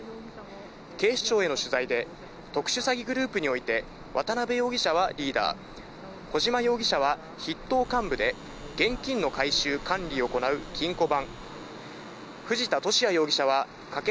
警視庁への取材で、特殊詐欺グループにおいて渡辺容疑者はリーダー、小島容疑者は筆頭幹部で、現金の回収・管理を行う金庫番。